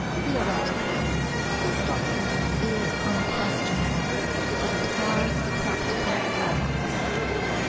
Theoretically, this doctrine is unquestionable; but it has practical drawbacks.